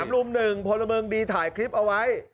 ลุมหนึ่งพลเมิงดีถ่ายคลิปเอาไว้